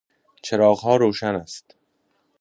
چراغﮩا روشن است